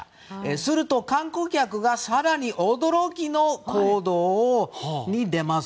すると観光客が更に驚きの行動に出ます。